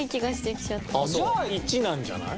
じゃあ１なんじゃない？